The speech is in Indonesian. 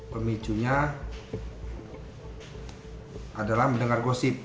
pemicunya adalah mendengar gosip